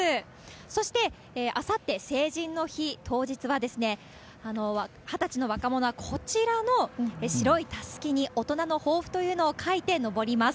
そして、あさって成人の日当日は、２０歳の若者はこちらの白いたすきに大人の抱負というのを書いて上ります。